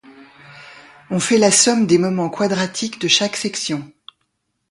On fait la somme des moments quadratiques de chaque section.